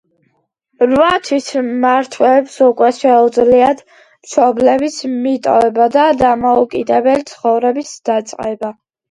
რვა თვის მართვეებს უკვე შეუძლიათ მშობლების მიტოვება და დამოუკიდებელი ცხოვრების დაწყება.